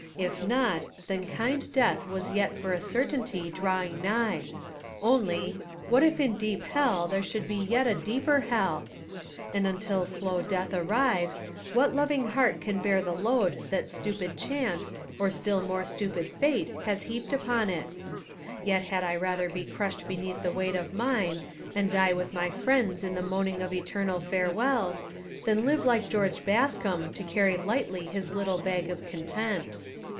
If not, then kind death was yet for a certainty drawing nigh only, what if in deep hell there should be yet a deeper hell? And until slow Death arrive, what loving heart can bear the load that stupid Chance or still more stupid Fate has heaped upon it? Yet had I rather be crushed beneath the weight of mine, and die with my friends in the moaning of eternal farewells, than live like George Bascombe to carry lightly his little bag of content.